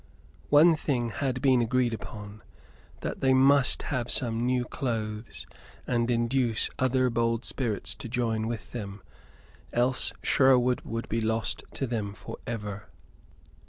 One thing had been agreed on: that they must have some new clothes and induce other bold spirits to join with them: else Sherwood would be lost to them for ever.